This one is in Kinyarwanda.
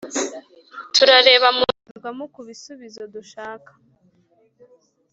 turareba mu ndorerwamo kubisubizo dushaka,